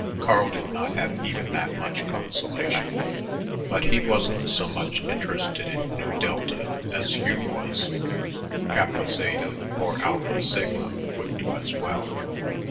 Carl did not have even that much consolation. But he wasn't so much interested in Nu Delta as Hugh was; Kappa Zeta or Alpha Sigma would do as well.